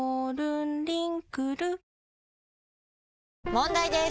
問題です！